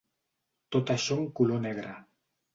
Tot això en color negre.